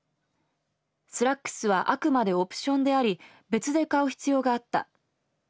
スラックスはあくまでオプションであり別で買う必要があった。